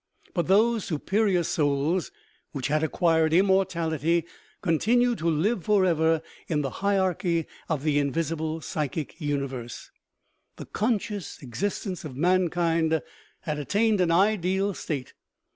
But those superior souls which had acquired immortality continued to live forever in the hierarchy of the invisible psychic universe. The conscious existence of mankind had attained an ideal state.